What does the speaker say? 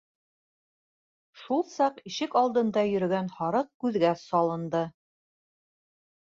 Шул саҡ ишек алдында йөрөгән һарыҡ күҙгә салынды.